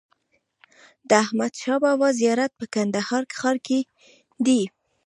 د احمدشاه بابا زيارت په کندهار ښار کي دئ.